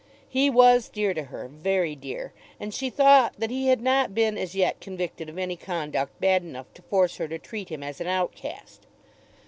He was dear to her, very dear; and she thought that he had not been as yet convicted of any conduct bad enough to force her to treat him as an outcast.